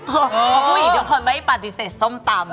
เพราะผู้หญิงทุกคนไม่ปฏิเสธส้มตำ